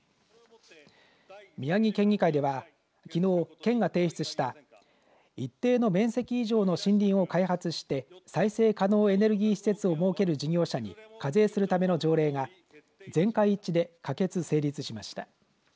宮城県議会ではきのう県が提出した一定の面積以上の森林を開発して再生可能エネルギー施設を設ける事業者に課税するための条例が全会一致で可決、成立しました。